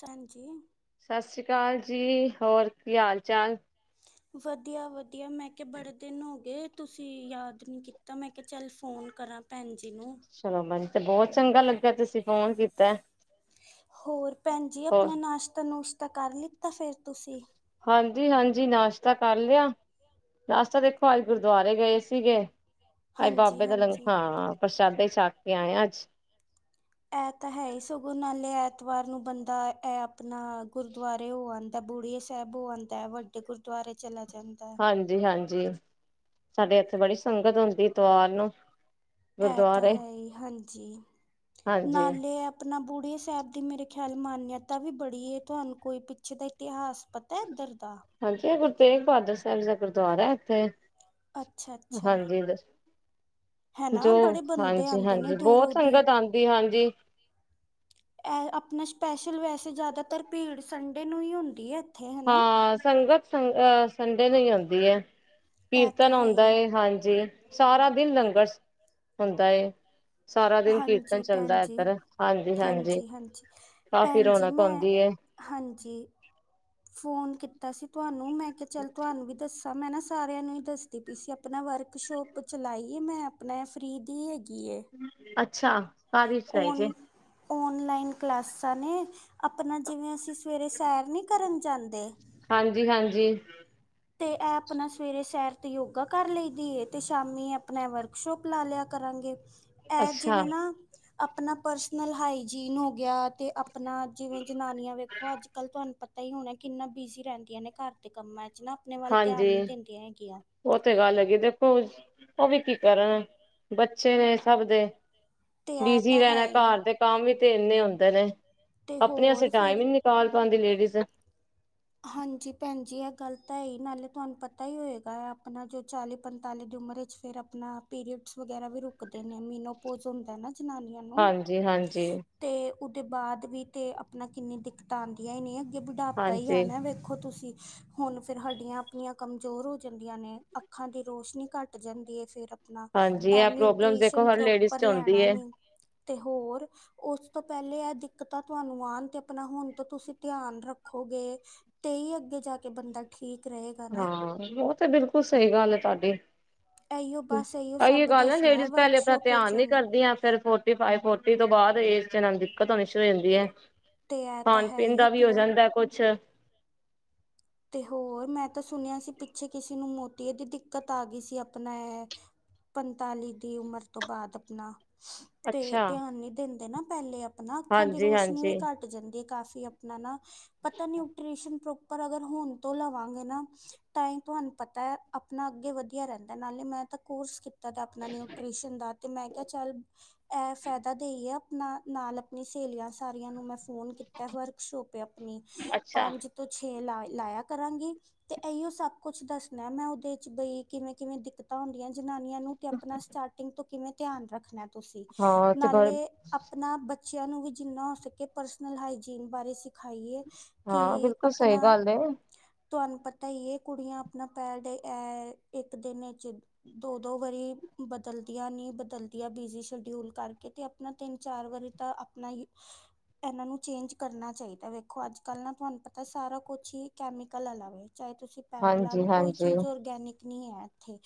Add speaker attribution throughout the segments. Speaker 1: ਸਾਂਜੀ
Speaker 2: ਸਤਿ ਸ੍ਰੀ ਅਕਾਲ ਜੀ ਹੋਰ ਕੀ ਹਾਲ ਚਾਲ
Speaker 1: ਵਧੀਆ ਵਧੀਆ ਮੈਂ ਕਿਹਾ ਬੜੇ ਦਿਨ ਹੋ ਗਏ ਤੁਸੀਂ ਯਾਦ ਨੀ ਕੀਤਾ ਮੈਂ ਕਿਹਾ ਚੱਲ ਫੋਨ ਕਰਾਂ ਭੈਣ ਜੀ ਨੂੰ
Speaker 2: ਚਲੋ ਮਨ ਤੇ ਬਹੁਤ ਚੰਗਾ ਲੱਗਾ ਤੇਸੀ
Speaker 1: ਹੋਰ ਭੈਣ ਜੀ
Speaker 2: ਹੋਰ
Speaker 1: ਆਪਣਾ ਨਾਸ਼ਤਾ ਨੁਸ਼ਤਾ ਤਾਂ ਕਰ ਲਿੱਤਾ ਫਿਰ ਤੁਸੀਂ
Speaker 2: ਹਾਂਜੀ ਹਾਂਜੀ ਨਾਸ਼ਤਾ ਕਰ ਲਿਆ ਨਾਸ਼ਤਾ ਦੇਖੋ ਅੱਜ ਗੁਰਦੁਆਰੇ ਗਏ ਸੀਗੇ ਅ
Speaker 1: ਹਾਂਜੀ
Speaker 2: ਬਾਬੇ ਦਾ ਲੰਗ
Speaker 1: ਹਾਂਜੀ
Speaker 2: ਹਾਂ ਪ੍ਰਸ਼ਾਦੇ ਸ਼ਾਕ ਕੇ ਆਇ ਅੱਜ
Speaker 1: ਤਵਾਰ ਨੂੰ ਬੰਦਾ ਇਹ ਆਪਣਾ ਗੁਰਦੁਆਰੇ ਹੋ ਆਉਂਦਾ ਬੁੜੀਏ ਸਾਹਿਬ ਹੋ ਆਉਂਦਾ ਵੱਡੇ ਗੁਰਦੁਆਰੇ ਚਲਾ ਜਾਂਦਾ ਹੈ
Speaker 2: ਹਾਂਜੀ ਹਾਂਜੀ ਸਾਡੇ ਇੱਥੇ ਬੜੀ ਸੰਗਤ ਹੁੰਦੀ ਇਤਵਾਰ ਨੂੰ
Speaker 1: ਇਹ ਤਾਂ
Speaker 2: ਗੁਰਦੁਆਰੇ
Speaker 1: ਹੈ ਹੀ ਹਾਂਜੀ
Speaker 2: ਹਾਂਜੀ।
Speaker 1: ਨਾਲੇ ਆਪਣਾ ਬੁੜੇ ਸਾਹਿਬ ਦੀ ਮੇਰੇ ਖਿਆਲ ਮਾਨਅਤਾ ਵੀ ਬੜੀ ਹੈ ਤੁਹਾਨੂੰ ਕੋਈ ਪਿੱਛੇ ਦਾ ਇਤਿਹਾਸ ਪਤਾ ਇੱਧਰ ਦਾ
Speaker 2: ਹਾਂਜੀ ਇਹ ਗੁਰੂ ਤੇਗ ਬਹਾਦਰ ਸਾਹਿਬ ਦਾ ਗੁਰਦਆਰਾ ਹੈ ਇੱਥੇ
Speaker 1: ਅੱਛਾ ਅੱਛਾ
Speaker 2: ਹਾਂਜੀ
Speaker 1: ਹਨਾ
Speaker 2: ਜੋ
Speaker 1: ਬੜੇ ਬੰਦੇ
Speaker 2: ਹਾਂਜੀ
Speaker 1: ਆਉਂਦੇ ਨੇ
Speaker 2: ਹਾਂਜੀ ਬਹੁਤ
Speaker 1: ਦੂਰੋਂ ਦੀ
Speaker 2: ਸੰਗਤ ਆਉਂਦੀ ਹਾਂਜੀ।
Speaker 1: ਆਪਣਾ ਸਪੈਸ਼ਲ ਵੈਸੇ ਜ਼ਿਆਦਾਤਰ ਭੀੜ ਸੰਡੇ ਨੂੰ ਹੀ ਹੁੰਦੀ ਹੈ ਇੱਥੇ ਹੈਨਾ
Speaker 2: ਹਾਂ ਸੰਗਤ ਸੰਗ ਸੰ ਨਹੀਂ ਆਉਂਦੀ ਹੈ
Speaker 1: ਇਹ ਤਾਂ
Speaker 2: ਕੀਰਤਨ
Speaker 1: ਹੈ
Speaker 2: ਆਉਂਦਾ
Speaker 1: ਹੀ
Speaker 2: ਹਾਂਜੀ ਸਾਰਾ ਦਿਨ ਲੰਗਰ ਹੁੰਦਾ ਸਾਰਾ ਦਿਨ
Speaker 1: ਹਾਂਜੀ
Speaker 2: ਕੀਰਤਨ
Speaker 1: ਭੈਣ
Speaker 2: ਚੱਲਦਾ
Speaker 1: ਜੀ
Speaker 2: ਇਧਰ ਹਾਂਜੀ ਹਾਂਜੀ ਕਾਫੀ
Speaker 1: ਭੈਣ ਜੀ
Speaker 2: ਰੌਣਕ
Speaker 1: ਮੈਂ
Speaker 2: ਹੁੰਦੀ ਹੈ
Speaker 1: ਹਾਂਜੀ ਫੋਨ ਕੀਤਾ ਸੀ ਤੁਹਾਨੂੰ ਮੈਂ ਕਿਹਾ ਚੱਲ ਤੁਹਾਨੂੰ ਵੀ ਦੱਸ ਮੈਂ ਨਾ ਸਾਰਿਆਂ ਨੂੰ ਹੀ ਦੱਸਦੀ ਪਈ ਸੀ ਆਪਣਾ ਵਰਕਸ਼ੋਪ ਚਲਾਈਏ ਮੈਂ ਆਪਣਾ ਫਰੀ ਦੀ ਹੈਗੀ ਏ
Speaker 2: ਅੱ ਅੱਛਾ ਕਾਹਦੀ ਚਲਾਈ ਜੇ
Speaker 1: ਔਨ ਔਨਲਾਈਨ ਕਲਾਸਾਂ ਨੇ ਆਪਣਾ ਜਿਵੇਂ ਅਸੀਂ ਸਵੇਰੇ ਸੈਰ ਨੀ ਕਰਨ ਜਾਂਦੇ।
Speaker 2: ਹਾਂਜੀ ਹਾਂਜੀ
Speaker 1: ਤੇ ਇਹ ਆਪਣਾ ਸਵੇਰੇ ਸੈਰ ਤੇ ਯੋਗਾ ਕਰ ਲਈ ਦੀ ਤੇ ਸ਼ਾਮੀ ਆਪਣਾ ਵਰਕਸ਼ੋਪ ਲਾ ਲਿਆ ਕਰਾਂਗੇ। ਇਹ
Speaker 2: ਅੱਛਾ
Speaker 1: ਜਿਵੇਂ ਨਾ ਆਪਣਾ ਪਰਸਨਲ ਹਾਈਜੀਨ ਹੋ ਗਿਆ ਅਤੇ ਆਪਣਾ ਜਿਵੇਂ ਜਨਾਨੀਆਂ ਵੇਖੋ ਅੱਜ ਕੱਲ੍ਹ ਤੁਹਾਨੂੰ ਪਤਾ ਹੀ ਹੋਣਾ ਕਿੰਨਾ ਬਿਜ਼ੀ ਰਹਿੰਦੀਆਂ ਨੇ ਘਰ ਦੇ ਕੰਮਾਂ 'ਚ ਨਾ। ਆਪਣੇ ਵੱਲ ਧਿਆਨ
Speaker 2: ਹਾਂਜੀ
Speaker 1: ਨਹੀਂ ਦਿੰਦੀਆਂ ਹੈਗੀਆਂ।
Speaker 2: ਉਹ ਤੇ ਗੱਲ ਦੇਖੋ ਉਹ ਵੀ ਕੀ ਕਰਨ ਬੱਚੇ ਨੇ ਸਭ ਦੇ
Speaker 1: ਤੇ ਇਹ
Speaker 2: ਬਿਜੀ
Speaker 1: ਤਾਂ ਹੈ
Speaker 2: ਰਹਿਣਾ
Speaker 1: ਹੀ
Speaker 2: ਘਰ ਦੇ ਕੰਮ ਵੀ ਤੇ ਕਿੰਨੇ ਹੁੰਦੇ ਨੇ?
Speaker 1: ਤੇ
Speaker 2: ਆਪਣੇ ਆਸਤੇ
Speaker 1: ਹੋਰ
Speaker 2: ਟਾਈਮ ਹੀ
Speaker 1: ਫਿਰ
Speaker 2: ਨਿਕਾਲ ਪਾਉਂਦੀ ਲੇਡੀ ਜ਼ [unintelligible]
Speaker 1: ਹਾਂਜੀ ਭੈਣ ਜੀ ਇਹ ਗੱਲ ਤਾਂ ਹੈ ਹੀ ਨਾਲੇ ਤੁਹਾਨੂੰ ਪਤਾ ਹੀ ਹੋਏਗਾ ਆਪਣਾ ਜੋ ਚਾਲੀ ਪੰਤਾਲੀ ਦੀ ਉਮਰ ਵਿੱਚ ਫਿਰ ਆਪਣਾ ਪੀਰੀਅਡਸ ਵਗੈਰਾ ਵੀ ਰੁਕਦੇ ਨੇ ਮੀਨੋਪੋਜ ਹੁੰਦਾ ਨਾ। ਜਨਾਨੀਆਂ ਨੂੰ
Speaker 2: ਹਾਂਜੀ ਹਾਂਜੀ
Speaker 1: ਤੇ ਉਹਦੇ ਬਾਅਦ ਵੀ ਤੇ ਆਪਣਾ ਕਿੰਨੀ ਦਿੱਕਤਾਂ ਆਂਦੀਆ ਹੀ ਨੈ। ਕਿ ਬੁਢਾਪਾ ਈ
Speaker 2: ਹਾਂਜੀ
Speaker 1: ਆ। ਵੇਖੋ ਤੁਸੀਂ ਹੁਣ ਫੇਰ ਹੱਡੀਆਂ ਆਪਣੀਆਂ ਕਮਜ਼ੋਰ ਹੋ ਜਾਂਦੀਆਂ ਨੇ, ਅੱਖਾਂ ਦੀ ਰੋਸ਼ਨੀ ਘੱਟ ਜਾਂਦੀ ਹੈ, ਫੇਰ
Speaker 2: ਹਾਂਜੀ
Speaker 1: ਇਹ
Speaker 2: ਪ੍ਰੋਬਲਮ ਦੇਖੋ
Speaker 1: ਨਿਊਟ੍ਰੀਸ਼ਨ
Speaker 2: ਹਰ ਲੇਡੀਜ਼
Speaker 1: ਪ੍ਰੋਪਰ
Speaker 2: ਚ ਹੁੰਦੀ
Speaker 1: ਲੈਣਾ
Speaker 2: ਏ।
Speaker 1: ਨੀ। ਤੇ ਹੋਰ ਉਸ ਤੋਂ ਪਹਿਲੇ ਇਹ ਦਿੱਕਤਾਂ ਤੁਹਾਨੂੰ ਆਉਣ ਤੇ ਆਪਣਾ ਹੁਣ ਤੋ ਤੁਸੀਂ ਧਿਆਨ ਰੱਖੋਗੇ। ਤੇ ਹੀ ਅੱਗੇ ਜਾ ਕੇ ਬੰਦਾ ਠੀਕ ਰਹੇਗਾ ਨਾ
Speaker 2: ਹਾਂ ਉਹ ਤੇ ਬਿਲਕੁਲ ਸਹੀ ਗੱਲ ਏ, ਤੁਹਾਡੀ
Speaker 1: ਇਹੀਓ ਬਸ ਇਹੀਓ
Speaker 2: ਆਹੀਏ
Speaker 1: ਸਭ
Speaker 2: ਗੱਲ ਆ
Speaker 1: ਦੱਸਣਾ
Speaker 2: ਲੇਡੀਜ਼ ਪਹਿਲੇ ਆਪਣਾ
Speaker 1: ਵਰਕਸ਼ਾਪ
Speaker 2: ਧਿਆਨ
Speaker 1: ਵਿੱਚ
Speaker 2: ਨੀ
Speaker 1: ਹੁਣ
Speaker 2: ਕਰਦੀਆਂ ਫਿਰ ਫੋਰਟੀ ਫਾਈਵ ਫੋਰਟੀ ਤੋਂ ਬਾਅਦ ਏਜ ਫੇਰ ਦਿੱਕਤ ਹੋਣੀ ਸ਼ੁਰੂ ਹੋ ਜਾਂਦੀ ਐ।
Speaker 1: ਅਤੇ ਇਹ ਤਾਂ
Speaker 2: ਖਾਣ
Speaker 1: ਹੈ
Speaker 2: ਪੀਣ
Speaker 1: ਹੀ
Speaker 2: ਦਾ ਵੀ ਹੋ
Speaker 1: ਆਪਣਾ
Speaker 2: ਜਾਂਦਾ ਕੁਛ
Speaker 1: ਤੇ ਹੋਰ ਮੈਂ ਸੁਣਿਆ ਸੀ ਪਿੱਛੇ ਕਿਸੇ ਨੂੰ ਮੋਤੀਏ ਦੀ ਦਿੱਕਤ ਆ ਗਈ ਸੀ, ਆਪਣਾ ਇਹ ਪੰਤਾਲੀ ਦੀ ਉਮਰ ਤੋਂ ਬਾਅਦ ਆਪਣਾ ਤੇ
Speaker 2: ਅੱਛਾ
Speaker 1: ਧਿਆਨ ਨੀ ਦਿੰਦੇ ਨਾ। ਪਹਿਲੇ ਆ ਆਪ ਨਾ ਅੱਖਾਂ ਦੀ
Speaker 2: ਹਾਂਜੀ
Speaker 1: ਰੋਸ਼ਨੀ ਵੀ
Speaker 2: ਹਾਂਜੀ
Speaker 1: ਘੱਟ ਜਾਂਦੀ ਹੈ ਕਾਫੀ ਆਪਣਾ ਨਾ ਪਤਾ ਨਿਟ੍ਰਸ਼ਨ ਪ੍ਰੋਪਰ ਅਗਰ ਹੁਣ ਤੋਂ ਲਵਾਂਗੇ ਨਾ ਤਾਂ ਹੀ ਤੁਹਾਨੂੰ ਪਤਾ ਹੈ ਆਪਣਾ ਅੱਗੇ ਵਧੀਆ ਰਹਿੰਦਾ ਨਾਲੇ ਮੈਂ ਤਾਂ ਕੋਰਸ ਕੀ ਦਾ ਆਪਣਾ ਨਿਊਟ੍ਰੀਸ਼ਨ ਦਾ ਤੇ ਮੈਂ ਕਿਹਾ ਚੱਲ ਇਹ ਫਾਇਦਾ ਦੇ ਹੀ ਆ। ਆਪਣਾ ਨਾਲ ਆਪਣੀ ਸਹੇਲੀਆਂ ਸਾਰੀਆਂ ਨੂੰ ਮੈਂ ਫੋਨ ਕੀਤਾ ਵਰਕਸ਼ੋਪ ਆਪਣੀ
Speaker 2: ਅੱਛਾ
Speaker 1: ਪੰਜ ਤੋਂ ਛੇ ਲਾ ਲਾਇਆ ਕਰਾਂਗੀ ਤੇ ਇਹੀਓ ਸਭ ਕੁਛ ਦੱਸਣਾ ਮੈਂ ਉਹਦੇ ਚ ਬਈ ਕਿਵੇਂ ਕਿਵੇਂ ਦਿੱਕਤਾਂ ਹੁੰਦੀਆਂ ਜਾਨੀਆਂ ਨੂੰ ਤੇ ਆਪਣਾ ਸਟਾਰਟਿੰਗ ਤੋਂ ਕਿਵੇਂ ਧਿਆਨ ਰੱਖਣਾ ਤੁਸੀਂ
Speaker 2: ਹਾਂ ਤੇ ਬ
Speaker 1: ਨਾਲੇ ਆਪਣਾ ਬ ਬੱਚਿਆਂ ਨੂੰ ਵੀ ਜਿੰਨਾ ਹੋ ਸਕੇ ਪਰਸਨਲ ਹਾਈਜੀਨ ਬਾਰੇ ਸਿਖਾਈਏ
Speaker 2: ਹਾਂ
Speaker 1: ਕਿ
Speaker 2: ਬਿਲਕੁਲ
Speaker 1: ਆਪਣਾ
Speaker 2: ਸਹੀ ਗੱਲ
Speaker 1: ਤੁਹਾਨੂੰ ਪਤਾ ਹੀ ਇਹ ਕੁੜੀਆਂ ਆਪਣਾ ਪੈਰ ਡ ਐ ਇੱਕ ਦਿਨ ਦੋ ਦੋ ਵਾਰੀ ਬਦਲਦੀਆਂ ਨੀ ਬਦਲਦੀਆਂ ਬਿਜ਼ੀ ਸ਼ਡਿਊਲ ਕਰਕੇ ਤੇ ਆਪਣਾ ਤਿੰਨ ਚਾਰ ਵਾਰੀ ਤਾਂ ਆਪਣਾ ਇਹਨਾਂ ਨੂੰ ਚੇਂਜ ਕਰਨਾ ਚਾਹੀਦਾ ਵੇਖੋ ਅੱਜ ਕੱਲ ਨਾ ਤੁਹਾਨੂੰ ਪਤਾ ਸਾਰਾ ਕੁਛ ਹੀ ਕੈਮਿਕਲ ਅਲਾਵਾ ਚਾਹੇ ਤੁਸੀਂ ਪੈਡ ਲਾ
Speaker 2: ਹਾਂਜੀ
Speaker 1: ਲਓ ਕੋਈ
Speaker 2: ਹਾਂਜੀ
Speaker 1: ਚੀਜ਼ ਔਰਗੈਨਿਕ ਹੈ ਇੱਥੇ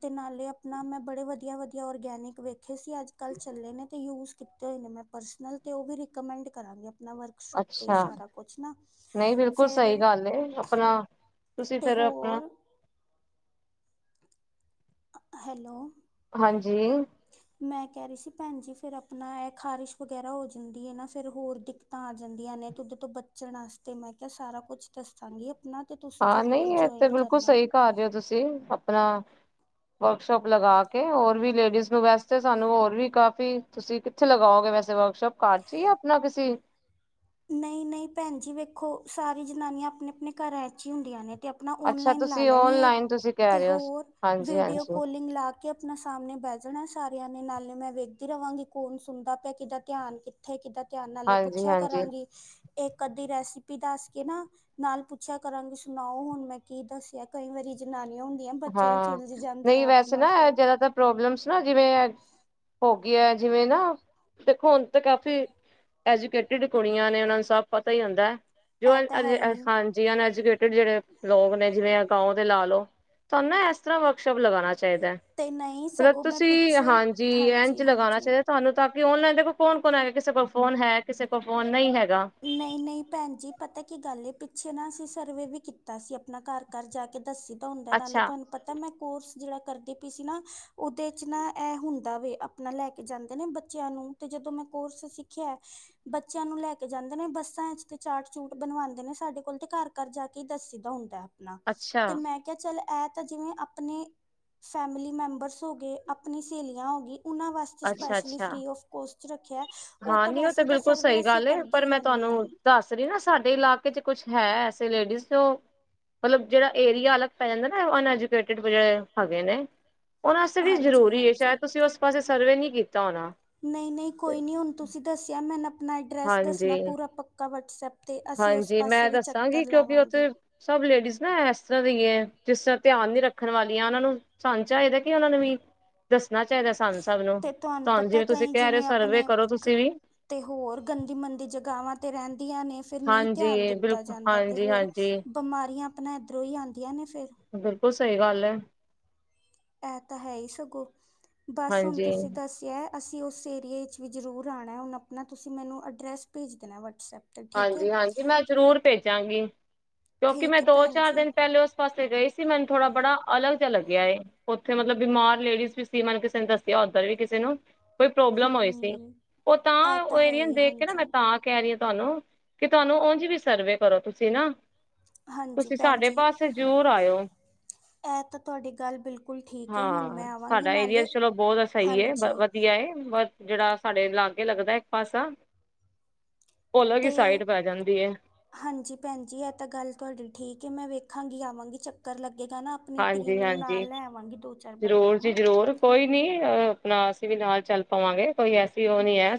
Speaker 1: ਤੇ ਨਾਲੇ ਆਪਣਾ ਮੈਂ ਬੜੇ ਵਧੀਆ ਵਧੀਆ ਔਰਗੈਨਿਕ ਵੇਖੇ ਸੀ ਅੱਜ ਕੱਲ ਚੱਲੇ ਨੇ ਤੇ ਯੂਜ ਕੀਤੇ ਹੋਏ ਨੇ ਮੈਂ ਪਰਸਨਲ ਤੇ ਉਹ ਵੀ ਰਿਕਮੈਂਡ ਕਰਾਂਗੀ ਨਾ ਵਰਕਸ਼ੋਪ ਤੇ
Speaker 2: ਅੱਛਾ
Speaker 1: ਸਾਰਾ ਕੁਛ ਨਾ
Speaker 2: ਨਹੀਂ ਬਿਲਕੁਲ
Speaker 1: ਫੇਰ
Speaker 2: ਸਹੀ ਗੱਲ ਆਪਣਾ ਤੁਸੀਂ ਫੇਿਰ ਆਪਣਾ
Speaker 1: ਹੈਲੋ
Speaker 2: ਹਾਂਜੀ
Speaker 1: ਮੈਂ ਕਹਿ ਰਹੀ ਸੀ ਭੈਣ ਜੀ ਫੇਿਰ ਆਪਣਾ ਇਹ ਖ਼ਾਰਿਸ਼ ਵਗੈਰਾ ਹੋ ਜਾਂਦੀ ਹੈ ਨਾ ਫੇਿਰ ਹੋਰ ਦਿੱਕਤਾਂ ਆ ਜਾਂਦੀਆਂ ਨੇ ਤੁ ਉਹਦੇ ਤੋਂ ਬਚਣ ਵਾਸਤੇ ਮੈਂ ਕਿਹਾ ਸਾਰਾ ਕੁਛ ਦੱਸਾਂਗੀ ਆਪਣਾ ਤੇ ਤੁਸੀਂ
Speaker 2: ਹਾਂ
Speaker 1: ਜ਼ਰੂਰ
Speaker 2: ਨਹੀਂਥ
Speaker 1: ਜੁਆਇਨ
Speaker 2: ਬਿਲਕੁਲ
Speaker 1: ਕਰਨਾ
Speaker 2: ਸਹੀ ਕਰ ਰ ਹੋ ਤੁਸੀਂ ਆਪਣਾ ਵਰਕਸ਼ੋਪ ਲਗਾ ਕੇ ਹੋਰ ਵੀ ਲੇਡੀਜ਼ ਨੂੰ ਵੈਸੇ ਸਾਨੂੰ ਹੋਰ ਵੀ ਕਾਫੀ ਤੁਸੀਂ ਕਿੱਥੇ ਲਗਾਓਗੇ ਵੈਸੇ ਵਰਕਸ਼ੋਪ ਕਾਰ ਚ ਆਪਣਾ ਕਿਸੇ
Speaker 1: ਨਹੀਂ ਨਹੀਂ ਭੈਣ ਜੀ ਵੇਖੋ ਸਾਰੀ ਜਨਾਨੀਆਂ ਆਪਣੇ ਆਪਣੇ ਘਰਾਂ ਵਿਚ ਹੀ ਹੁੰਦੀਆਂ ਨੇ ਆਪਣਾ
Speaker 2: ਅੱਛਾ
Speaker 1: ਓਨਲਾਈਨ ਲਾ
Speaker 2: ਤੁਸੀਂ
Speaker 1: ਲੈਣੀ ਹੈ
Speaker 2: ਓਨਲਾਈਨ ਤੁਸੀਂ ਕਹਿ
Speaker 1: ਤੇ
Speaker 2: ਰਹੇ ਹੋ
Speaker 1: ਹੋਰ
Speaker 2: ਹਾਂਜੀ
Speaker 1: ਵੀਡੀਓ
Speaker 2: ਹਾਂਜੀ
Speaker 1: ਕਾਲਿੰਗ ਲਾ ਕੇ ਆਪਣਾ ਸਾਹਮਣੇ ਬਹਿ ਜਾਣਾ ਸਾਰੇ ਨੇ ਨਾਲੇ ਮੈਂ ਵੇਖਦੀ ਰਹਾਂਗੀ ਕੌਣ ਸੁਣਦਾ ਪਿਆ ਕਿੱਦਾਂ ਧਿਆਨ ਕਿੱਥੇ ਕਿੱਦਾਂ ਿਆਨਾਂ ਨੇ
Speaker 2: ਹਾਂਜੀ
Speaker 1: ਪੁੱਛਿਆ
Speaker 2: ਹਾਂਜੀ
Speaker 1: ਕਰਾਂਗੀ ਇੱਕ ਅੱਧੀ ਰੈਸਿਪੀ ਦੱਸ ਕੇ ਨਾ ਨਾਲ ਪੁੱਛਿਆ ਕਰਾਂਗੀ ਸੁਣਾਓ ਹੁਣ ਮੈਂ ਕੀ ਦੱਸਿਆ ਕਈ ਵਾਰੀ ਜਨਾਨੀ
Speaker 2: ਹਾਂ ਨਹੀਂ ਵੈਸੇ ਨਾ
Speaker 1: ਫਿਰ
Speaker 2: ਜਿਆਦਾਤਰ ਪ੍ਰੋਬਲਮਸ ਨਾ ਜਿਵੇਂ ਹੋ ਜਿਵੇਂ ਨਾ ਦੇਖੋ ਹੁਣ ਕਾਫੀ ਐਜੂਕੇਟਿ ਕੁੜੀਆਂ ਨੇ ਉਹਨਾਂ ਨੂੰ ਸਭ ਪਤਾ ਹੀ ਹੁੰਦਾ ਜੋ
Speaker 1: ਇਹ ਤਾਂ ਹੈ ਹੀ
Speaker 2: ਹਾਂਜੀਨਕੇ ੜ ਜਿਹੜੇ ਲੋਕ ਨੇ ਜਿਵੇਂ ਅਕਾਓ ਤੇ ਲਾ ਲੋਓ ਤੁਹਾਨੂੰ ਇਸ ਤਰ੍ਹਾਂ ਵਰਕਸ਼ਾਪ ਲਗਾਉਣਾ ਚਾਹੀਦਾ
Speaker 1: ਤੇ ਨਹੀਂ
Speaker 2: ਮਤਲਬ
Speaker 1: ਸਗੋਂ ਮੈਂ
Speaker 2: ਤੁਸੀਂ
Speaker 1: ਪਿੱਛੇ
Speaker 2: ਹਾਂਜੀ ਇੰਝ
Speaker 1: ਹਾਂਜੀ
Speaker 2: ਲਗਾਉਣਾ
Speaker 1: ਹਾਂਜੀ
Speaker 2: ਚਾਹੀਦਾ ਤੁਹਾਨੂੰ ਤਾਂ ਔਨਲਾਈਨ ਦੇਖੋ ਕੌਣ ਕੌਣ ਹੈਗਾ ਕਿਸੇ ਕੋਲ ਫੋਨ ਹੈ ਕਿਸੇ ਕੋਲ ਫੋਨ ਨਹੀਂ ਹੈਗਾ
Speaker 1: ਨਹੀਂ ਨਹੀਂ ਭੈਣ ਜੀ ਪਤਾ ਕੀ ਗੱਲ ਪਿੱਛੇ ਨਾ ਸੀ ਸਰਵੇ ਵੀ ਕੀਤਾ ਸੀ ਆਪਣਾ ਘਰ ਘਰ ਜਾ ਕੇ ਦੱਸੀ ਤਾਂ ਉਹਦੇ ਨਾਲੇ
Speaker 2: ਅੱਛਾ
Speaker 1: ਤੁਹਾਨੂੰ ਪਤਾ ਮੈਂ ਕੋਰਸ ਜਿਹੜਾ ਕਰਦੀ ਪਈ ਸੀ ਨਾ ਉਹਦੇ ਚ ਨਾ ਇਹ ਹੁੰਦਾ ਵ ਆਪਣਾ ਲੈ ਕੇ ਜਾਂਦੇ ਨੇ ਬੱਚਿਆਂ ਨੂੰ ਤੇ ਜਦੋਂ ਮੈਂ ਕੋਰਸ ਸਿੱਖਿਆ ਬੱਚਿਆਂ ਨੂੰ ਲੈ ਕੇ ਜਾਂਦੇ ਨੇ ਬੱਸਾਂ ਵਿਚ ਤੇ ਚਾਟ ਚੂਟ ਬਣਵਾਉਂਦੇ ਨੇ ਸਾਡੇ ਕੋਲ ਤੇ ਘਰ ਘਰ ਜਾ ਕੇ ਦੱ ਦਾ ਹੁੰਦਾ ਹੈ।
Speaker 2: ਅੱਛਾ
Speaker 1: ਤੇ ਮੈਂ ਕਿਹਾ ਚੱਲ ਇਹ ਤਾਂ ਜਿਵੇਂ ਆਪਣੇ ਫੈਮਿਲੀ ਮੈਂਬਰਸ ਹੋ ਗਏ ਆਪਣੀ ਸਹੇਲੀਆਂ ਹੋ ਗਈ ਉਹਨਾਂ ਵਾਸਤੇ
Speaker 2: ਅੱਛਾ
Speaker 1: ਸਪੈਸ਼ਲੀ
Speaker 2: ਅੱਛਾ
Speaker 1: ਫਰੀ ਆਫ ਕੋਸਟ ਰੱਖਿਆ ਉਹ
Speaker 2: ਹਾਂ
Speaker 1: ਤਾਂ
Speaker 2: ਨਹੀਂ
Speaker 1: ਵੈਸੇ ਤਾਂ
Speaker 2: ਬਿਲਕੁਲ
Speaker 1: ਸਰਵੇ
Speaker 2: ਸਹੀ
Speaker 1: ਅਸੀਂ
Speaker 2: ਗੱਲ ਏ ਪਰ
Speaker 1: ਹੀ
Speaker 2: ਮੈਂ
Speaker 1: ਰਹਿੰਦੇ ਹਾਂ
Speaker 2: ਤੁਹਾਨੂੰ ਦੱਸ ਰਹੀ ਨਾ ਸਾਡੇ ਇਲਾਕੇ ਚ ਕੁਛ ਹੈੇ ਲੇਡੀ ਮਤਲਬ ਜਿਹੜਾ ਏਰੀਆ ਅਲਗ ਪੈ ਜਾਂਦਾ ਨਾ ਅਕੇ ਜ ਹੈਗੇ ਨੇ ਉਹਨਾਂਸਤੇ ਵੀ
Speaker 1: ਹਾਂਜੀ
Speaker 2: ਜ਼ਰੂਰੀ ਹੈ
Speaker 1: ਹਾਂਜੀ
Speaker 2: ਸ਼ਾਇਦ ਤੁਸੀਂ ਉਸ ਪਾਸੇ ਸਰਵੇ ਨਹੀਂ ਕੀਤਾ ਹੋਣਾ
Speaker 1: ਨਹੀਂ ਨਹੀਂ ਕੋਈ ਨੀ ਹੁਣ ਤੁਸੀਂ ਦੱਸਿਆ ਮੈਂ ਆਪਣਾ ਐਡਰੈਸ
Speaker 2: ਹਾਂਜੀ
Speaker 1: ਦੱਸਣਾ? ਪੂਰਾ ਪੱਕਾ ਸੱਪ
Speaker 2: ਹਾਂਜੀ ਮੈਂ ਦੱਸਾਂਗੀ ਕਿਉਂਕਿ ਉੱਥੇ ਸਭ ਲੇਡੀਜ਼ ਨਾ ਤਰ੍ਹਾਂ ਦੇਈਏ ਜਿਸ ਤਰ੍ਹਾਂ ਧਿਆਨ ਨੀ ਰੱਖਣ ਵਾਲੀਆਂ ਉਹਨਾਂ ਨੂੰ ਸਾਂ ਚਾਹੀਦਾ ਕਿ ਉਹਨਾਂ ਨੂੰ ਵੀ ਦੱਸ
Speaker 1: ਤੇ ਤੁਹਾਨੂੰ ਪਤਾ?
Speaker 2: ਤੁਸੀਂ
Speaker 1: ਕਈ
Speaker 2: ਕਹਿ ਰਹੇ ਹੋ
Speaker 1: ਜਿਵੇਂ
Speaker 2: ਸਰਵੇ
Speaker 1: ਆਪਣੇ
Speaker 2: ਕਰੋ ਤੁਸੀਂ ਵੀ
Speaker 1: ਤੇ ਹੋਰ ਗੰਦੀ ਮੰੰਦੀ ਜਗਾਾਵਾਂ ਤੇ ਰਹਿੰਦੀਆਂ ਨੇ। ਫਿਰ ਨਹੀਂ
Speaker 2: ਹਾਂਜੀ
Speaker 1: ਧਿਆਨ ਦਿੱਤਾ
Speaker 2: ਬਿਲਕੁਲ
Speaker 1: ਜਾਂਦਾ ਤੇ
Speaker 2: ਹਾਂਜੀ
Speaker 1: ਹੋਰ
Speaker 2: ਹਾਂਜੀ
Speaker 1: ਬਿਮਾਰੀ ਇ ਆਪਣਾ ਇੱਧਰੋਂ ਹੀ ਆਂਆਂ ਨੇਿਰ
Speaker 2: ਬਿਲਕੁਲ। ਸਹੀ ਗੱਲ ਹੈ।
Speaker 1: ਇਹ ਤਾਂ ਹੈ ਹੀ ਸਗੋਂ ਬਸ ਹੁਣ
Speaker 2: ਹਾਂਜੀ
Speaker 1: ਤੁਸੀਂ ਦੱਸਿਆ ਅਸੀਂ ਉਸ ਏਰੀਏ ' ਵੀ ਜ਼ਰੂਰ ਆਉਣਾ ਹੁਨਣ ਆਪਣਾ ਤੁਸੀਂ ਮੈਨੂੰ ਐਡਰੈਸ ਭੇਜ ਦੇਣਾ ਵਟਸਐਪ ਤੇ ਠੀਕ ਹੈ
Speaker 2: ਹਾਂਜੀ ਹਾਂਜੀ ਮੈਂ ਜ਼ਰੂਰ ਭੇਜਾਂਗੀ ਕਿਉਂਕਿ
Speaker 1: ਠੀਕ
Speaker 2: ਮੈਂ
Speaker 1: ਹੈ
Speaker 2: ਦੋ
Speaker 1: ਭੈਣ
Speaker 2: ਚਾਰ
Speaker 1: ਜੀ
Speaker 2: ਦਿਨ ਪਹਿਲੇ ਉਸ ਪਾਸੇ ਗਈ ਸੀ ਮੈਨੂੰ ਥੋੜਾ ਬੜਾ ਅਲੱਗ ਜਿਹਾ ਲੱਗਿਆ ਥੇ ਮਤਲਬ ਬਿਮਾਰ ਲੇਡੀਜ਼ ਵੀ ਸੀ ਮੈਨੂੰ ਕਿਸੇ ਨੇ ਦੱਸਿਆ ਉੱਧਰ ਵੀ ਕਿਸੇ ਨੂੰ ਕੋਈ ਪ੍ਰੋਬਲਮ ਹੋਈ ਸੀ
Speaker 1: ਹੂੰ
Speaker 2: ਉਹ
Speaker 1: ਇਹ
Speaker 2: ਤਾਂ ਉਹ
Speaker 1: ਹੈ
Speaker 2: ਏਰੀਆ
Speaker 1: ਹੀ
Speaker 2: ਦੇਖ ਕੇ ਨਾ ਮੈਂ
Speaker 1: ਹਾਂਜੀ
Speaker 2: ਤਾਂ ਕਹਿ ਰਹੀ ਤੁਹਾਨੂੰ ਕਿ ਤੁਹਾਨੂੰ ਉਓਂਝ ਵੀ ਸਰਵੇ ਕਰੋ ਤੁਸੀਂ ਨਾ
Speaker 1: ਹਾਂਜੀ
Speaker 2: ਤੁਸੀਂ
Speaker 1: ਭੈਣ
Speaker 2: ਸਾਡੇ
Speaker 1: ਜੀ
Speaker 2: ਪਾਸੇ ਜ਼ਰੂਰ ਆਇਓ।
Speaker 1: ਇਹ ਤਾਂ ਤੁਹਾਡੀ ਗੱਲ ਬਿਲਕੁਲ ਠੀਕ ਹੈ ਹੁਣ
Speaker 2: ਹਾਂ
Speaker 1: ਮੈਂ ਆਵਾਂਗੀ
Speaker 2: ਸਾਡਾ ਏਰੀਆ
Speaker 1: ਨਾਲੇ
Speaker 2: ਚਲੋ ਬਹੁਤ ਸਹੀ ਹੈ
Speaker 1: ਹਾਂਜੀ
Speaker 2: ਵਧੀਆ ਜਿਹੜਾ ਸਾਡੇ ਲਾਗੇ ਲੱਗਦਾ ਇੱਕ ਪਾਸਾ, ਉਹਲ
Speaker 1: ਅਤੇ ਹਾਂਜੀ ਭੈਣਜੀ, ਇਹ ਤਾਂ ਗੱਲ ਤੁਹਾਡੀ ਠੀਕ ਐ, ਮੈਂ ਵੇਖ ਰੱਖਾਂਗੀ ਆਵਾਂਗੀ ਚੱਕਰ ਲਗਾਵਾਂਗੀ ਲੱਗਾ ਨਾ, ਆਪਣੀ ਟੀਮ ਨੂੰ
Speaker 2: ਹਾਂਜੀ-ਹਾਂਜੀ।
Speaker 1: ਨਾਲ ਲੈਵਾਂਗੀ, ਦੋ ਚਾਰ ਬੰਦਿਆਂ
Speaker 2: ਜ਼ਰੂਰ ਜੀ
Speaker 1: ਨੂੰ।
Speaker 2: ਜ਼ਰੂਰ ਕੋਈ ਨੀ ਆਪਣਾ ਅਸੀਂ ਵੀ ਨਾਲ ਚਲ ਪਾਵਾਂਗੇ, ਕੋਈ ਐਸੀ ਉਹ ਨੀ ਐ।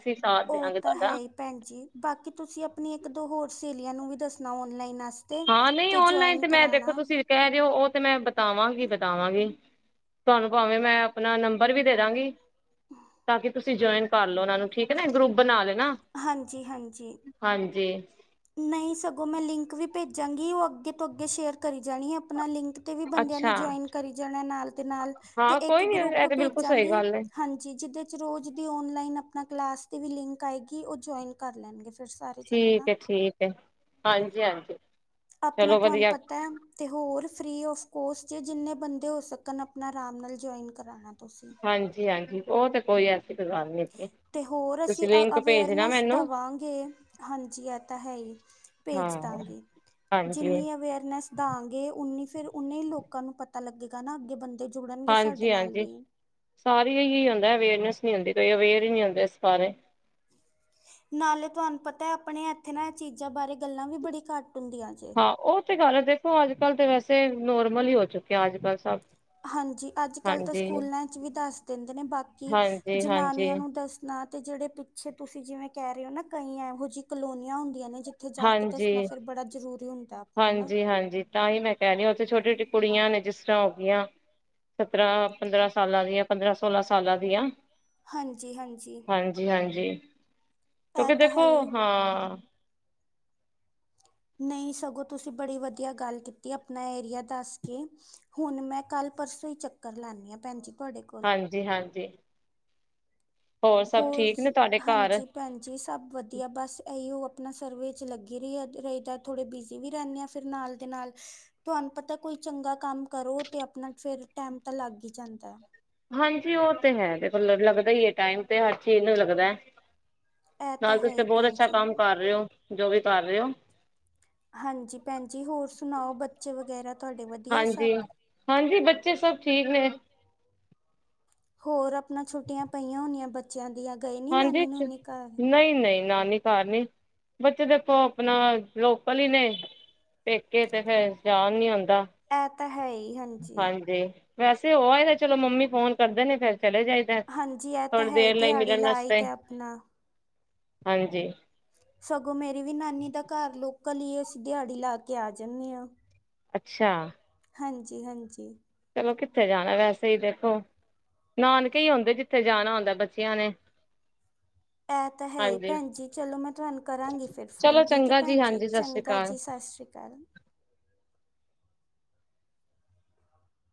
Speaker 1: ਉਹ ਤਾਂ ਹੈ ਈ, ਭੈਣ ਜੀ, ਬਾਕੀ ਤੁਸੀਂ ਆਪਣੀ ਇੱਕ ਦੋ ਹੋਰ ਸਹੇਲੀਆਂ ਨੂੰ ਵੀ ਦੱਸਣਾ, ਔਨਲਾਈਨਾਂ
Speaker 2: ਹਾਂ, ਨਹੀਂ ਔਨਲਾਈਨ ਤੇ ਮੈਂ ਦੇਖੋ, ਤੁਸੀਂ ਕਹਿ ਰਹੇ ਹੋ ਤੇ ਮੈਂ ਬਤਾਵਾਂਗੀ ਬਤਾਵਾਂਗੀ, ਤੁਹਾਨੂੰ ਭਾਵੇਂ ਮੈਂ ਆਪਣਾ ਨੰਬਰ ਵੀ ਦੇ ਦਾਂਗੀ, ਤਾਂ ਕੀ ਤੁਸੀਂ ਜੁਇਨ ਕਰ ਲਓ, ਉਹਨਾਂ ਨੂੰ ਠੀਕ ਹੈ ਨਾ ਗਰੁੱਪ ਬਣਾ ਲ ਨਾ
Speaker 1: ਹਾਂਜੀ ਹਾਂਜੀ
Speaker 2: ਹਾਂਜੀ।
Speaker 1: ਨਹੀਂ ਸਗੋਂ, ਮੈਂ ਲਿੰਕ ਵੀ ਭੇਜਾਂਗੀ, ਉਹ ਅੱਗੇ ਤੋਂ ਅੱਗੇ ਸ਼ੇਅਰ ਕਰ ਜਾਣੀ ਐ, ਆਪਣਾ ਲਿੰਕ ਤੇ ਵੀ ਬੰਦਿਆਂ ਨੇ
Speaker 2: ਅੱਛਾ
Speaker 1: ਜੁਆਇਨ ਕਰੀ ਜਾਣਾ, ਨਾਲ ਦੇ ਨਾਲ ਤੇ
Speaker 2: ਹਾਂ
Speaker 1: ਇੱਕ
Speaker 2: ਕੋਈ ਨੀ
Speaker 1: ਗਰੁੱਪ
Speaker 2: ਇਹ ਤੇ ਬਿਲਕੁਲ ਸਹੀ
Speaker 1: ਭੇਜਾਂਗੀ,
Speaker 2: ਗੱਲ ਹੈ
Speaker 1: ਹਾਂਜੀ ਜਿਹਦੇ ਚ ਰੋਜ਼ ਦੀ ਔਨਲਾਈਨ ਆ ਆਪਣਾ ਕਲਾਸ ਦੀ ਵੀ ਲਿੰਕ ਆਏਗੀ, ਉਹ ਜੁਆਇਨ ਕਰ ਲੈਣਗੇ ਫ ਫਿਰ ਸਾਰੇ ਜਾਣੇ ਨਾ।
Speaker 2: ਆ, ਹਾਂਜੀ-ਹਾਂਜੀ।
Speaker 1: ਆਪਣਾ ਤੁਹਾਨੂੰ ਪਤਾ ਐ, ਤੇ ਹੋਰ ਫਰੀ ਆਫ ਕੋਸਟ ਚ, ਜਿੰਨੇ ਬੰਦੇ ਹੋ ਸਕਣ, ਆਪਣਾ ਆਰਾਮ ਨਾਲ ਜੁਆਇਨ ਕਰਾਣਾ।
Speaker 2: ਹਾਂਜੀ-ਹਾਂਜੀ। ਉਹ ਤੇ ਕੋਈ ਆ
Speaker 1: ਤੇ ਹੋਰ ਅਸੀਂ ਅ
Speaker 2: ਭੇਜਣਾ
Speaker 1: ਅਵੇਅਰਨੈਸ
Speaker 2: ਮੈਨੂੰ
Speaker 1: ਦੇਵਾਂਗੇ, ਹਾਂਜੀ ਇਹ ਤਾਂ ਹੈ ਹੀ
Speaker 2: ਹਾਂ
Speaker 1: ਭੇਜ ਦਾ ਗੀ,
Speaker 2: ਹਾਂਜੀ
Speaker 1: ਜਿੰਨੀ ਅਵੇਅਰਨੈਸ ਦਵਾਂਗੇ ਓਨੀ ਫੇਰ ਉਹਨੇ ਲੋਕਾਂ ਨੂੰ ਪਤਾ ਲੱਗੇਗਾ ਨਾ, ਅੱਗੇ ਬੰਦੇ ਜੁੜਨਗੇ ਸਾਡੇ ਨਾਲ
Speaker 2: ਹਾਂਜੀ-ਹਾਂਜੀ,
Speaker 1: ਵੀ
Speaker 2: ਸਾਰੀ ਇਹੀ ਹੁੰਦਾ ਅਵੇਅਰਨੈਸ ਨ ਹੁੰਦੇ ਕੋਈ ਅਵੇਅਰ ਹੀ ਨਹੀ ਹੁੰਦੇ, ਇਸ ਬਾਰੇ।
Speaker 1: ਨਾਲੇ ਤੁਹਾਨੂੰ ਪਤਾ ਆਪਣੇ, ਇੱਥੇ ਨਾਲ ਚੀਜ਼ਾਂ ਬਾਰੇ ਗੱਲਾਂ ਵੀ ਬੜੀ ਘੱਟ ਹੁੰਦੀਆਂ ਜੇ
Speaker 2: ਹਾਂ, ਉਹ ਤੇ ਗੱਲ ਦੇਖੋ, ਅੱਜ ਕੱਲ੍ਹ ਤੇ ਵੈਸੇ ਤੇ ਨੋਰਮਲ ਹੀ ਹੋ ਚੁੱਕਿਆਂ, ਅੱਜ ਕੱਲ੍ਹ ਸਭ।
Speaker 1: ਹਾਂਜੀ ਅੱਜ ਕੱਲ ਤਾਂ
Speaker 2: ਹਾਂਜੀ
Speaker 1: ਸਕੂਲਾਂ ਚ ਵੀ ਦੱਸ ਦਿੰਦੇ ਨੇ, ਬਾਕੀ
Speaker 2: ਹਾਂਜੀ ਹਾਂਜੀ
Speaker 1: ਜਨਾਨੀਆਂ ਨੂੰ ਦੱਸਣਾ ਤੇ, ਜਿਹੜੇ ਪਿੱਛੇ ਤੁਸੀਂ ਜਿਵੇਂ ਕਹਿ ਰਹੇ ਹੋ ਨਾ, ਕਈ ਇਹੋ ਜਿਹੀ ਕਲੋਨੀਆਂ ਹੁੰਦੀਆਂ ਨੇ ਜਿੱਥੇ ਜਾ ਕੇ ਦੱਸਣਾ ਫਿਰ ਬੜਾ ਜ਼ਰੂਰੀ ਹੁੰਦਾ ਆਪਣਾ ਨਾ
Speaker 2: ਹਾਂਜੀ-ਹਾਂਜੀ-ਹਾਂਜੀ, ਤਾਂ ਹੀ ਮੈਂ ਕਹਿ ਰਹੀ ਹਾਂ, ਉੱਥੇ ਛੋਟੀ ਛੋਟੀ ਕੁੜੀਆਂ ਨੇ ਜਿਸ ਹੋਗਿਆਂ, ਸਤਰਾਂ ਪੰਦਰਾਂ ਸਾਲਾਂ ਦੀਆਂ ਪੰਦਰਾਂ ਸੋਲਾਂ ਸਾਲਾਂ ਦੀਆਂ।
Speaker 1: ਹਾਂਜੀ-ਹਾਂਜੀ।
Speaker 2: ਹਾਂਜੀ ਹਾਂਜੀ ਕਿਉਂਕਿ ਦੇਖੋ, ਹਾਂ।
Speaker 1: ਨਹੀਂ ਸਗੋਂ ਤੁਸੀਂ ਬੜੀ ਵਧੀਆ ਗੱਲ ਕੀਤੀ ਆਪਣਾ ਏਰੀਆ ਦੱਸ ਕੇ ਹੁਣ ਮੈਂ ਕੱਲ ਪਰਸੋਂ ਹੀ ਚੱਕਰ ਲਾਦੀ ਭੈਣ ਜੀ। ਤੁਹਾਡੇ ਕੋਲ
Speaker 2: ਹਾਂਜੀ-ਹਾਂਜੀ।
Speaker 1: ਹੋਰ
Speaker 2: ਤੁਹਾਡੇ ਘਰ
Speaker 1: ਹਾਂਜੀ ਭੈਣ ਜੀ, ਸਭ ਵਧੀਆ ਬਸ ਇਹੀ ਹੋ ਆਪਣਾ ਸਰਵੇ ਚ ਲੱਗੀ ਰ ਰਹੀਦਾ ਥੋੜੇ ਬਿਜ਼ੀ ਵੀ ਰਹਿੰਦੇ ਆ, ਫਿਰ ਨਾਲ ਦੇ ਨਾਲ ਤੁਹਾਨੂੰ ਪਤਾ ਕੋਈ ਚੰਗਾ ਕੰਮ ਕਰੋ ਤੇ ਆਪਣਾ ਫਿਰ ਟੈਮ ਤਾਂ ਲੱਗ ਹੀ ਜਾਂਦਾ ਹੈ।
Speaker 2: ਹਾਂਜੀ ਉਹ ਤੇ ਹੈ ਦੇਖਲ ਲੱਗਦਾ ਹੀ ਹੈ ਟਾਈਮ ਤੇ ਹਰ ਚੀਜ਼ ਨੂੰ ਲੱਗਦਾ
Speaker 1: ਹੈ। ਇਹ ਤਾਂ
Speaker 2: ਨਾਲ ਤੁਸੀ
Speaker 1: ਹੈ
Speaker 2: ਤੇ
Speaker 1: ਹੀ
Speaker 2: ਬਹੁਤ
Speaker 1: ਭੈਣ
Speaker 2: ਅੱਛਾ
Speaker 1: ਜੀ
Speaker 2: ਕੰਮ ਕਰ ਰਹੇ ਹੋ ਜੋ ਵੀ ਕਰ ਰਹੇ ਹੋ
Speaker 1: ਹਾਂਜੀ ਭੈਣ ਜ ਹੋਰ ਸੁਣਾਓ ਬੱਚੇ ਵਗੈਰਾ ਤੁਹਾਡੇ ਵਧੀਆ ਸਭ
Speaker 2: ਹਾਂਜੀ ਹਾਂਜੀ ਬੱਚੇ ਸਭ ਠੀਕ ਨੇ
Speaker 1: ਹੋਰ ਆਪਣਾ ਛੁੱਟੀਆਂ ਪਈਆਂ ਹੋਣੀਆਂ ਬੱਚਿਆਂ ਦੀ ਅ
Speaker 2: ਹਾਂਜੀ ਨਹੀਂ ਨਹੀਂ ਨਾਨੀ ਦੇ ਘਰ ਬੱਚੇ ਦੇਖੋ ਆਪਣਾ ਲੋਕਲ ਹੀ ਨੇ ਪੇਕੇ ਤੇ ਫੇਰ ਜਾਣ ਨੀ ਆਉਂਦੀ
Speaker 1: ਇਹ ਤਾਂ ਹੈ ਹੀ ਹਾਂਜੀ
Speaker 2: ਵੈਸੇ ਉਹਏ ਤਾਂ ਚਲੋ ਮੰਮੀ ਫੋਨ ਕਰਦੇ ਨੇ ਫੇਿਰ ਚਲੇ ਜਾਈਦਾ ਥੋੜੀ ਦੇਰ ਲਈ ਮਿਲਣ ਵਾਸਤੇ
Speaker 1: ਚਹੀਦਾ ਆਪਣਾ
Speaker 2: ਹਾਂਜੀ
Speaker 1: ਸਗੋਂ ਮੇਰੀ ਵੀ ਨਾਨੀ ਦਾ ਘਰ ਲੋਕਲ ਹੀ ਅਸੀਂ ਦਿਹਾੜੀ ਲਾ ਕੇ ਆ ਜਾਂਦੇ ਹਾਂ
Speaker 2: ਅੱਛਾ
Speaker 1: ਹਾਂਜੀ ਹਾਂਜੀ
Speaker 2: ਚਲੋ ਕਿੱਥੇ ਜਾਣਾ ਵੈਸੇ ਹੀ ਦੇਖੋ ਨਾਨਕੇ ਹੀ ਆਉਂਦੇ ਜਿੱਥੇ ਜਾਣਾ ਆਉਂਦਾ ਬੱਚਿਆਂ ਨੇ
Speaker 1: ਇਹ ਤਾਂ ਹੈ ਹੀ
Speaker 2: ਹਾਂਜੀ
Speaker 1: ਭੈਣ ਜੀ ਚਲੋ ਮੈਂ ਤੁਹਾਨੂੰ ਕਰਾਂਗੀ ਫਿਰ
Speaker 2: ਚਲੋ
Speaker 1: ਫੋਨ ਠੀਕ ਹੈ
Speaker 2: ਚੰਗਾ
Speaker 1: ਭੈਣ ਜੀ
Speaker 2: ਹਾਂਜੀ ਸਤਿ ਸ੍ਰੀ
Speaker 1: ਚੰਗਾ
Speaker 2: ਅਕਾਲ
Speaker 1: ਜੀ ਸਤਿ ਸ਼੍ਰੀ ਅਕਾਲ